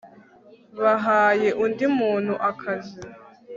bahaye undi muntu akazi